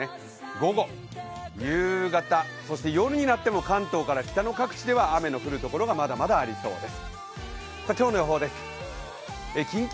午後、夕方、そして夜になっても関東から北の各地では雨の降るところがまだまだありそうです。